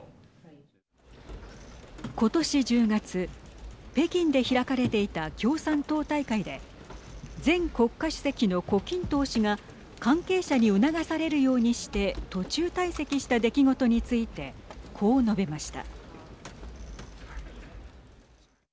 今年１０月、北京で開かれていた共産党大会で前国家主席の胡錦涛氏が関係者に促されるようにして途中退席した出来事についてこう述べました。